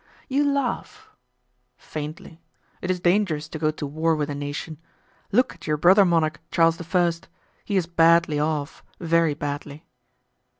"You laugh." "Faintly. It is dangerous to go to war with a nation. Look at your brother monarch, Charles I. He is badly off, very badly."